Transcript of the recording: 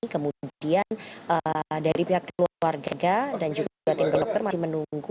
kemudian dari pihak keluarga dan juga tim dokter masih menunggu